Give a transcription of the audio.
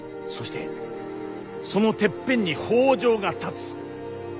そしてそのてっぺんに北条が立つ。